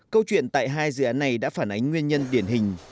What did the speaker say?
câu chuyện tại hai dự án này đã phản ánh nguyên nhân điển hình